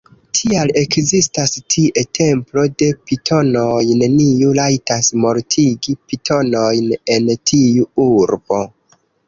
Tial ekzistas tie templo de pitonoj; neniu rajtas mortigi pitonojn en tiu urbo.